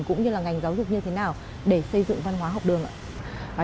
cũng như là ngành giáo dục như thế nào để xây dựng văn hóa học đường ạ